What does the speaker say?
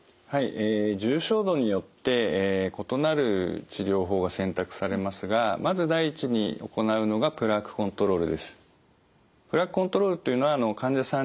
重症度によって異なる治療法が選択されますがまず第一に行うのがプラークコントロールというのは患者さん自身がですね